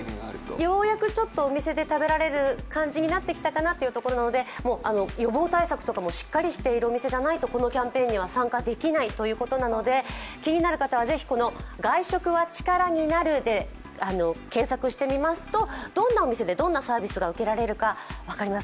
ようやくお店で食べられる感じになってきたかなという感じなので予防対策とかもしっかりしているお店じゃないと、このキャンペーンには参加できないということなので、気になる方はぜひ「＃外食はチカラになる」で検索してみますとどんなお店でどんなサービスが受けられるか分かります。